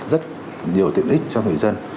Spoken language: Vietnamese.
rất nhiều tiện ích cho người dân